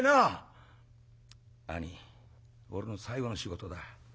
「兄ぃ俺の最後の仕事だ。